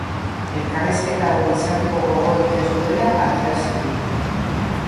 Elkarrizketa hori izateko gogorik ez duela adierazi du.